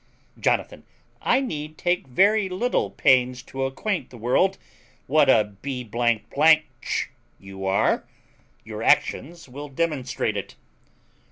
Jonathan. I need take very little pains to acquaint the world what a b ch you are, your actions will demonstrate it.